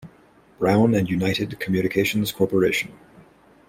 Brown and United Communications Corporation.